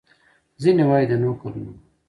ځینې وايي د نهو کلونو و.